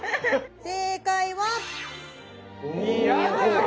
正解は宮崎？